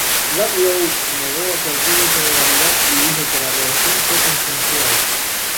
Ludlow negó cualquier irregularidad y dijo que la relación fue consensuada.